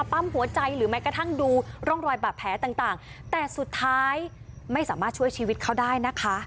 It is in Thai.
ปั๊มหัวใจหรือแม้กระทั่งดูร่องรอยบาดแผลต่างแต่สุดท้ายไม่สามารถช่วยชีวิตเขาได้นะคะ